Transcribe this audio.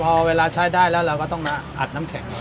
พอเวลาใช้ได้แล้วเราก็ต้องมาอัดน้ำแข็ง